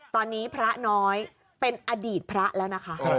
ตอนนี้พระน้อยเป็นอดีตพระแล้วนะคะ